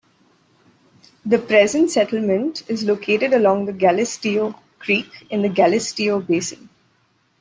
The present settlement is located along the Galisteo Creek in the Galisteo Basin.